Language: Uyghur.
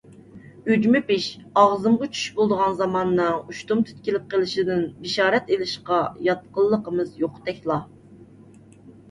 «ئۈجمە پىش، ئاغزىمغا چۈش» بولىدىغان زاماننىڭ ئۇشتۇمتۇت كېلىپ قېلىشىدىن بېشارەت ئېلىشقا ياتقىنلىقىمىز يوقتەكلا.